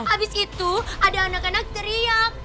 habis itu ada anak anak teriak